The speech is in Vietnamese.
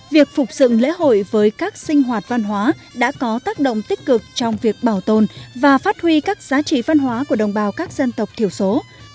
việc phục dựng lễ hội với các sinh hoạt văn hóa đã có tác động tích cực trong việc bảo tồn và phát huy các giá trị văn hóa của đồng bào các dân tộc thiểu số